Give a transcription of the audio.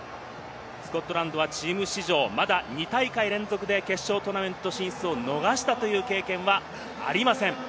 スコットランドはチーム史上まだ２大会連続で決勝トーナメント進出を逃したという経験はありません。